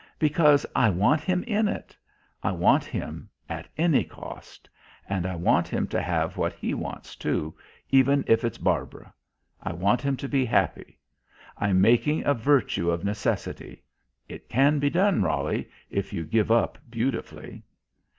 "Because I want him in it. I want him at any cost. And I want him to have what he wants, too, even if it's Barbara. I want him to be happy.... I'm making a virtue of necessity. It can be done, Roly, if you give up beautifully."